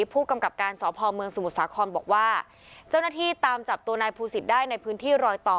ผู้กำกับการสพเมืองสมุทรสาครบอกว่าเจ้าหน้าที่ตามจับตัวนายภูศิษย์ได้ในพื้นที่รอยต่อ